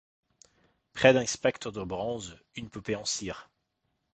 Près d'un spectre de bronze une poupée en cire